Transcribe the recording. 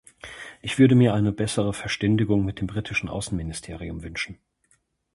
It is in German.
Ich würde mir eine bessere Verständigung mit dem britischen Außenministerium wünschen.